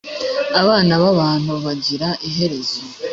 abana b’abantu bagira iherezo